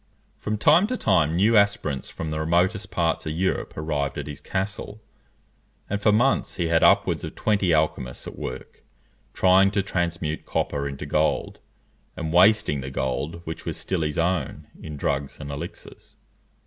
From time to time new aspirants from the remotest parts of Europe arrived at his castle, and for months he had upwards of twenty alchymists at work, trying to transmute copper into gold; and wasting the gold which was still his own in drugs and elixirs.